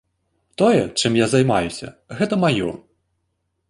Тое, чым я займаюся, гэта маё.